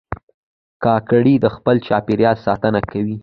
کاکړي د خپل چاپېریال ساتنه کوي.